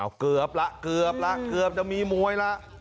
เอาเกือบละเกือบละเกือบจะมีมวยละ